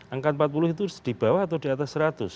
angka empat puluh itu di bawah atau di atas seratus